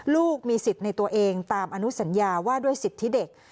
ลูกมีสิทธิ์ในตัวเองตามอนุสัญญาว่าด้วยสิทธิเด็ก